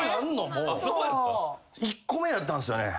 １個目やったんすよね。